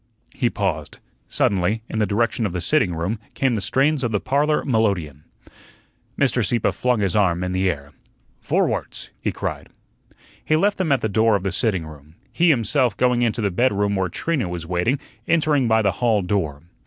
He paused. Suddenly, in the direction of the sitting room, came the strains of the parlor melodeon. Mr. Sieppe flung his arm in the air. "Vowaarts!" he cried. He left them at the door of the sitting room, he himself going into the bedroom where Trina was waiting, entering by the hall door.